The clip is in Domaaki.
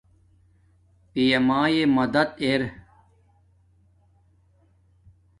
پیا مایے مدد ارا